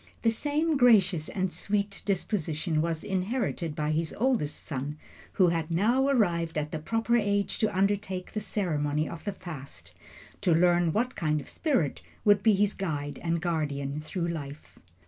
The same gracious and sweet disposition was inherited by his eldest son, who had now arrived at the proper age to undertake the ceremony of the fast to learn what kind of a spirit would be his guide and guardian through life.